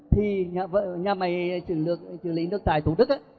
thì nhà mày xử lý nước tải tủ đức